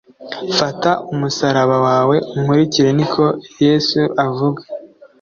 Fata umusaraba wawe unkurikire niko yesu avuga